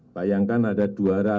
bayangkan ada dua rat